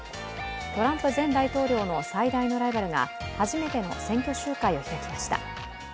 トランプ前大統領の最大のライバルが、初めての選挙集会を開きました。